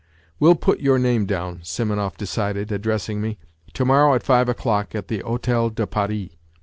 " We'll put your name down," Simonov decided, addressing me. " To morrow at five o'clock at the Hotel de Paris."